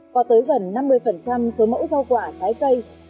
có tới gần năm mươi số mẫu rau quả trái cây